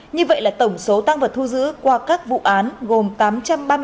như vậy là tổng số tăng vật thu giữ qua các vụ án gồm tám trăm ba mươi tám